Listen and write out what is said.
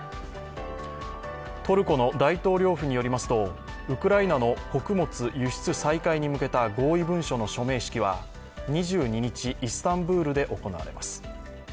トルコの大統領府によりますとウクライナの穀物輸出再開に向けた合意文書の署名式は２２日、イスタンブールで行われます。